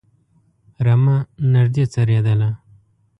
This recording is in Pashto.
رمه نږدې څرېدله.